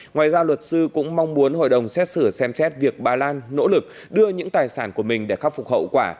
ngoài ra luật sư cũng mong muốn hội đồng xét xử xem xét việc bà lan nỗ lực đưa những tài sản của mình để khắc phục hậu quả